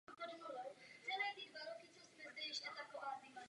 Alison se narodil v Texasu jako nejmladší ze tří bratrů.